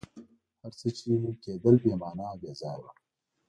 هر څه چي کېدل بي معنی او بېځایه وه.